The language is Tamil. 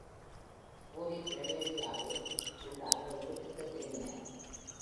போரி பிலடெல்பியாவில் உள்ள அவரது வீட்டிற்கு திரும்பினார்.